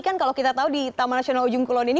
kan kalau kita tahu di taman nasional ujung kulon ini